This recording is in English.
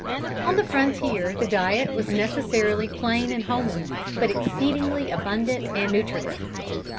"On the frontier the diet was necessarily plain and homely, but exceedingly abundant and nutritive.